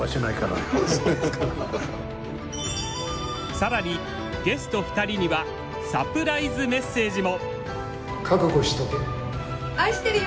更にゲスト２人にはサプライズメッセージも！